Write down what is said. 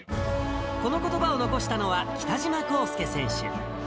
このことばを残したのは、北島康介選手。